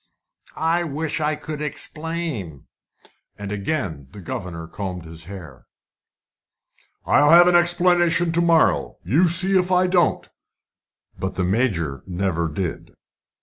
"I wish I could explain." And again the governor combed his hair. "I'll have an explanation to morrow! you see if I don't!" But the Major never did.